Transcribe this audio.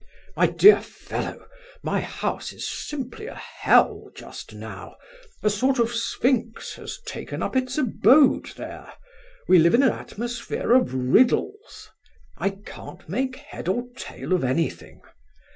My dear fellow, my house is simply a hell just now, a sort of sphinx has taken up its abode there. We live in an atmosphere of riddles; I can't make head or tail of anything.